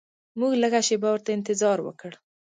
موږ لږه شیبه ورته انتظار وکړ.